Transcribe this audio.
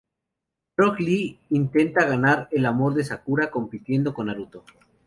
Rock Lee intenta ganar el amor de Sakura, compitiendo con Naruto.